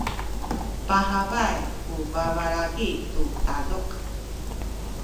pahabay ku babalaki tu taduk.